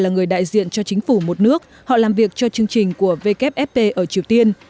là người đại diện cho chính phủ một nước họ làm việc cho chương trình của wfp ở triều tiên